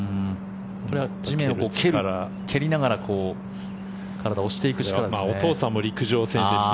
地面を蹴りながら体を押していく力ですね。